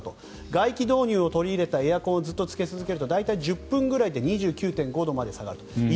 外気導入を取り入れたエアコンをずっとつけ続けると大体１０分ぐらいで２９度ぐらいまで下がる。